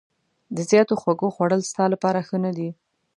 د زیاتو خوږو خوړل ستا لپاره ښه نه دي.